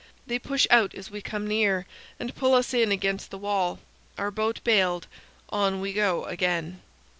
They push out as we come near and pull us in against the wall. Our boat bailed, on we go again.